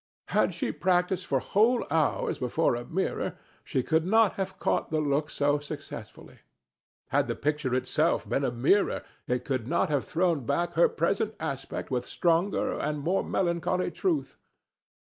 Had she practised for whole hours before a mirror, she could not have caught the look so successfully. Had the picture itself been a mirror, it could not have thrown back her present aspect with stronger and more melancholy truth.